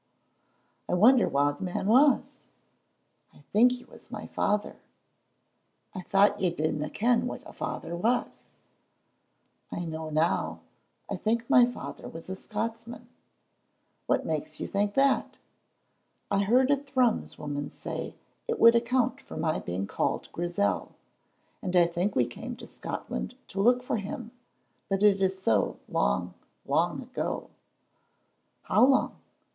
"I wonder wha the man was?" "I think he was my father." "I thought you didna ken what a father was?" "I know now. I think my father was a Scotsman." "What makes you think that?" "I heard a Thrums woman say it would account for my being called Grizel, and I think we came to Scotland to look for him, but it is so long, long ago." "How long?"